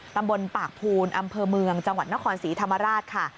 ตำบลปากภูนอำเภอเมืองจังหวัดนครศรีธรรมราชค่ะ